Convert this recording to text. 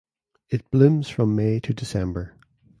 It blooms from May to December.